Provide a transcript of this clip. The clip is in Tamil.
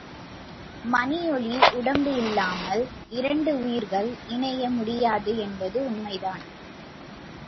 மணியொலி உடம்பு இல்லாமல் இரண்டு உயிர்கள் இணைய முடியாது என்பது உண்மைதான்.